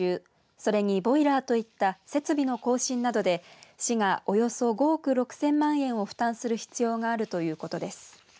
それにボイラーといった設備の更新などで市がおよそ５億６０００万円を負担する必要があるということです。